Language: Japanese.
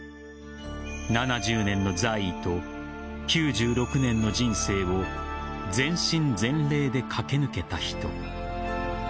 ７０年の在位と９６年の人生を全身全霊で駆け抜けた人。